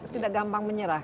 tidak gampang menyerah